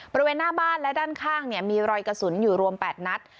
บริเวณหน้าบ้านและด้านข้างมีรอยกระสุนอยู่รวม๘นัด